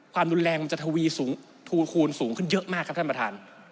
ความรุนแรงมันจะทวีสูงทูลคูณสูงขึ้นเยอะมากครับท่านประธาน